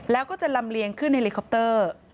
แล้วก็จะลำเลียงขึ้นเฮลิคอปเตอร์